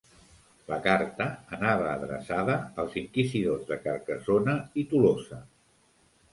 La carta anava adreçada als inquisidors de Carcassona i Tolosa.